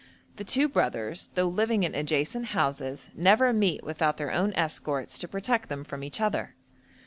The two brothers, though living in adjacent houses, never meet without their own escorts to protect them from each other.